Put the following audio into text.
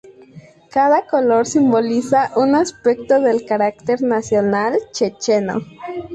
Cada color simboliza un aspecto del carácter nacional checheno.